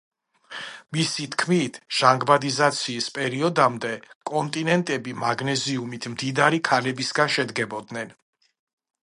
მისი თქმით, ჟანგბადიზაციის პერიოდამდე კონტინენტები მაგნეზიუმით მდიდარი ქანებისგან შედგებოდნენ.